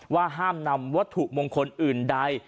ว่าห้ามนำวัตถุมงคลอื่นใด